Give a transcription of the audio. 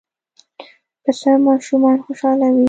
پسه ماشومان خوشحالوي.